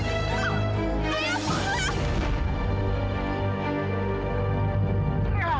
jangan angkat seepanya